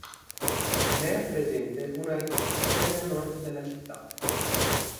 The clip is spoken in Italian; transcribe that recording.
Ne è presente una ricostruzione a nord della città.